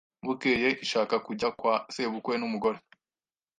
bukeye ishaka kujya kwa sebukwe numugore